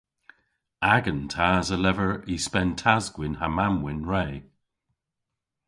Agan tas a lever y spen tas-gwynn ha mamm-wynn re.